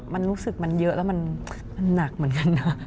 มันรู้สึกมันเยอะแล้วมันหนักเหมือนกันนะ